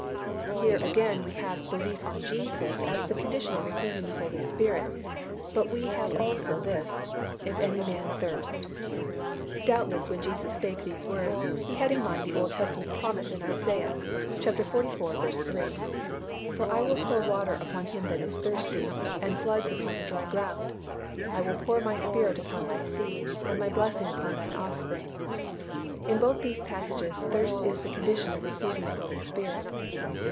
Here again we have belief on Jesus as the condition of receiving the Holy Spirit but we have also this, "If any man thirst." Doubtless when Jesus spake these words He had in mind the Old Testament promise in Isa. xliv. 3, "For I will pour water upon him that is thirsty, and floods upon the dry ground: I will pour My Spirit upon thy seed, and My blessing upon thine offspring." In both these passages thirst is the condition of receiving the Holy Spirit.